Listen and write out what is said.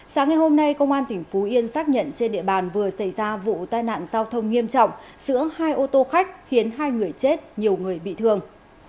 sáng ngày hôm nay công an tỉnh phú yên xác nhận trên địa bàn vừa xảy ra vụ tai nạn giao thông nghiêm trọng giữa hai ô tô khách khiến hai người chết nhiều người bị thương